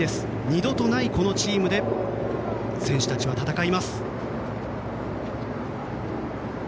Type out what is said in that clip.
二度とないこのチームで選手たちは戦います。